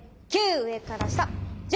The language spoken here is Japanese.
９！上から下。